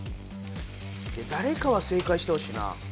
誰かは正解してほしいな。